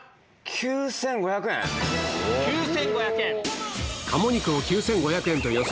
９５００円！